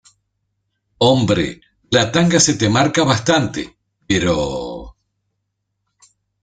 hombre, la tanga se te marca bastante , pero...